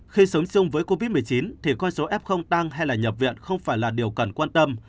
khi sống chung với covid một mươi chín thì con số f tăng hay là nhập viện không phải là điều cần quan tâm